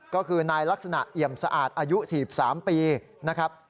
ก็คือนายลักษณะเอี่ยมสะอาดอายุ๔๓ปีนะครับ